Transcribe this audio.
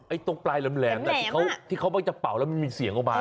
ไอ้ตรงปลายแหลมที่เขาบ้างจะเป่าแล้วไม่มีเสียงเข้ามา